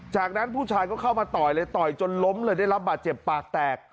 จากนั้นผู้ชายก็เข้ามาต่อยเลยต่อยจนล้มเลยได้รับบาดเจ็บปากแตก